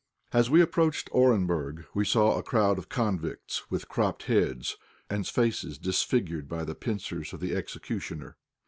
As we approached Orenburg we saw a crowd of convicts with cropped heads, and faces disfigured by the pincers of the executioner.